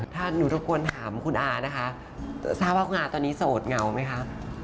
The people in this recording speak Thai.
ถ้าหนูรบกวนถามคุณอานะคะทราบว่าคุณอาตอนนี้โสดเหงาไหมคะ